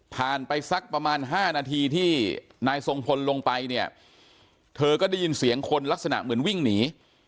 ไปสักประมาณ๕นาทีที่นายทรงพลลงไปเนี่ยเธอก็ได้ยินเสียงคนลักษณะเหมือนวิ่งหนี